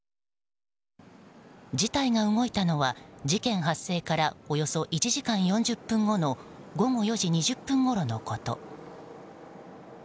事態が動いたのは、事件発生からおよそ１時間４０分後の午後４時２０分ごろのこと。